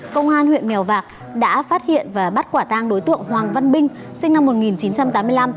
công an huyện mèo vạc đã phát hiện và bắt quả tang đối tượng hoàng văn binh sinh năm một nghìn chín trăm tám mươi năm